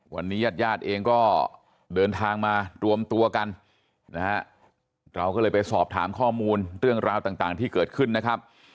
วันนี้ญาติญาติเองก็เดินทางมารวมตัวกันนะฮะเราก็เลยไปสอบถามข้อมูลเรื่องราวต่างที่เกิดขึ้นนะครับ